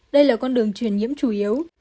đây là con đường chuyển nhiễm chủ yếu